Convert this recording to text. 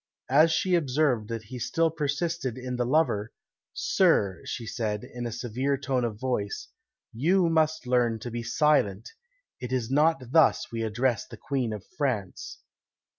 As she observed that he still persisted in the lover, "Sir," she said, in a severe tone of voice, "you must learn to be silent; it is not thus we address the Queen of France."